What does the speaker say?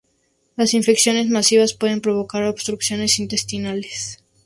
Las infecciones masivas pueden provocar obstrucción intestinal.